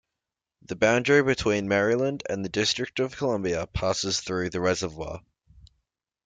The boundary between Maryland and the District of Columbia passes through the reservoir.